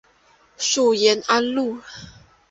属延安路。